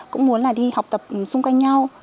cũng muốn là đi học tập xung quanh nhau